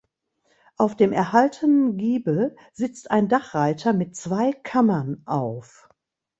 Auf dem erhaltenen Giebel sitzt ein Dachreiter mit zwei Kammern auf.